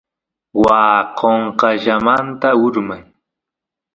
waa qonqayllamanta urman